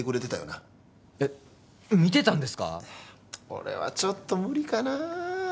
俺はちょっと無理かな。